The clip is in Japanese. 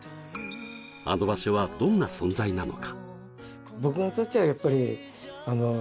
あの場所はどんな存在なのか？